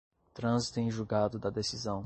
trânsito em julgado da decisão